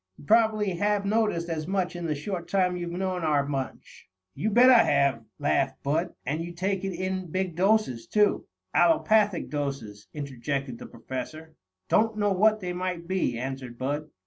"You probably have noticed as much in the short time you've known our bunch." "You bet I have," laughed Bud. "And you take it in big doses, too." "Allopathic doses," interjected the Professor. "Don't know what they might be," answered Bud.